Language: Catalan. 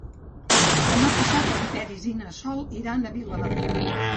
Demà passat en Peris i na Sol iran a Vilabertran.